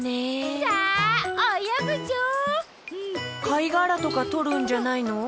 かいがらとかとるんじゃないの？